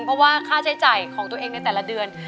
เพราะว่าค่าใช้จ่ายของตัวเองในแต่ละเดือน